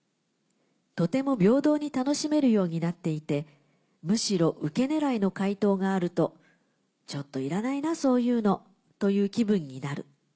とても平等に楽しめるようになっていてむしろウケ狙いの解答があるとちょっといらないなそういうのという気分になる。